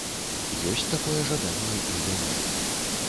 Ёсць такое жаданне і ў мяне.